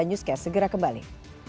newscast segera kembali